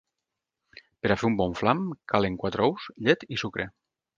Per a fer un bon flam, calen quatre ous, llet i sucre.